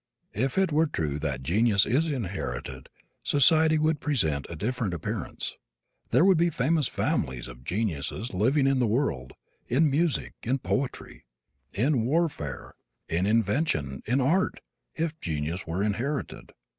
If it were true that genius is inherited society would present a different appearance. There would be famous families of geniuses living in the world, in music, in poetry, in warfare, in invention, in art, if genius were inherited.